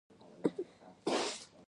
ایا ستاسو ډالۍ به ارزښت ولري؟